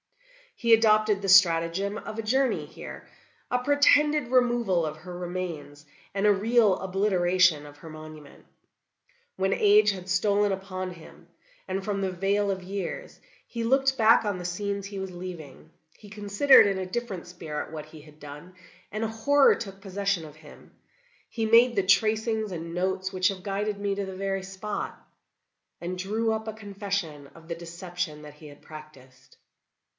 "He adopted the stratagem of a journey here, a pretended removal of her remains, and a real obliteration of her monument. When age had stolen upon him, and from the vale of years, he looked back on the scenes he was leaving, he considered, in a different spirit, what he had done, and a horror took possession of him. He made the tracings and notes which have guided me to the very spot, and drew up a confession of the deception that he had practiced.